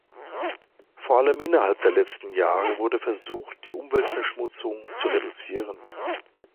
Vor allem innerhalb der letzten Jahre wurde versucht die Umweltverschmutzung zu reduzieren.